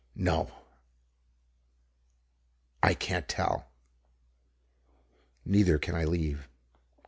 No, I can't tell. Neither can I leave.